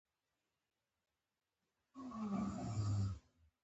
پلورالېزم د دې ډول اعلو پر وړاندې درېږي.